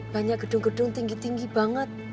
banyak gedung gedung tinggi tinggi banget